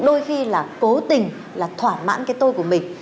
đôi khi là cố tình là thỏa mãn cái tôi của mình